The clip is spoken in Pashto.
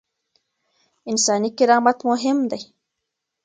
انساني کرامت مهم دی.